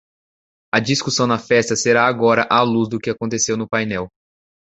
A discussão na festa será agora à luz do que aconteceu no painel.